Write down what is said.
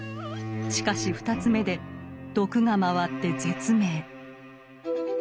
しかし２つ目で毒がまわって絶命。